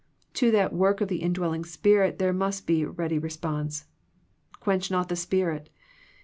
To that work of the indwelling Spirit there must be ready response. " Quench not the Spirit."